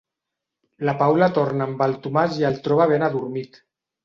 La Paula torna amb el Tomàs i el troba ben adormit.